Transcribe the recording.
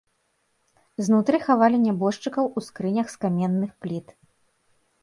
Знутры хавалі нябожчыкаў у скрынях з каменных пліт.